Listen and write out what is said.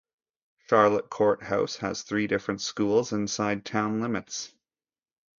Charlotte Court House has three different schools inside town limits.